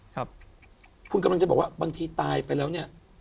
ครับคุณกำลังจะบอกว่าบางทีตายไปแล้วเนี่ย